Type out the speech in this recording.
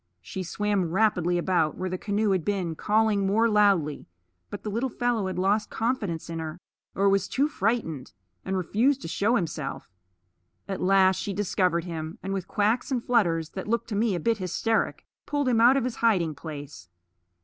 She swam rapidly about where the canoe had been, calling more loudly; but the little fellow had lost confidence in her, or was too frightened, and refused to show himself. At last she discovered him, and with quacks and flutters that looked to me a bit hysteric pulled him out of his hiding place.